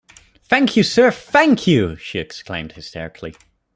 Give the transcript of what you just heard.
‘Thank you, sir — thank you’ she exclaimed hysterically.